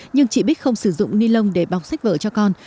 nhưng chị bích không sử dụng ni lông để bọc sách vở cho con